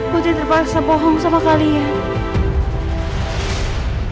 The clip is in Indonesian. putri terpaksa bohong sama kalian